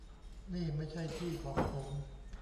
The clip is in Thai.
นี่ไม่ใช่ที่ของผม